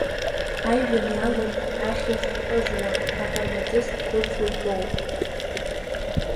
Ажәҩан иалоуп ахьажь ҟыжуа, Аҟармаҵыс хәыцуа итәоуп.